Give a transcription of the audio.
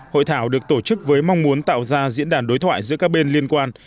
hội thảo được tổ chức với mong muốn tạo ra diễn đàn đối thoại giữa các bên liên quan